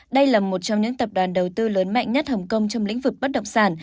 đây là một trong những tập đoàn đầu tư lớn mạnh nhất hồng kông trong lĩnh vực bất động sản